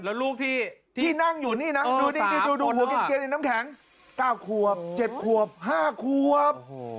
แล้วลูกที่นั่งอยู่นี่นะน้ำแข็ง๙ควบ๗ควบ๕ควบ